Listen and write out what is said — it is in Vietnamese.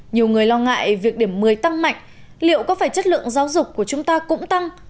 nhiều người lo ngại việc điểm một mươi tăng mạnh liệu có phải chất lượng giáo dục của chúng ta cũng tăng